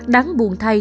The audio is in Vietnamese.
đáng buồn thay đời